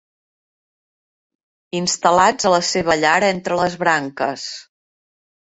Instal·lats a la seva llar entre les branques.